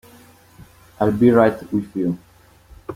I'll be right with you.